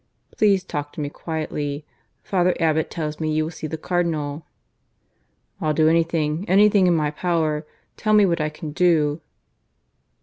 "Please talk to me quietly. Father Abbot tells me you will see the Cardinal." "I'll do anything anything in my power. Tell me what I can do."